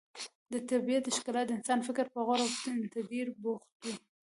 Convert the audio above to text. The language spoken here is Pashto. د طبیعت ښکلا د انسان فکر په غور او تدبر بوختوي.